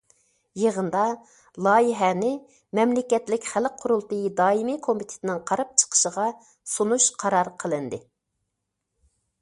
يىغىندا لايىھەنى مەملىكەتلىك خەلق قۇرۇلتىيى دائىمىي كومىتېتىنىڭ قاراپ چىقىشىغا سۇنۇش قارار قىلىندى.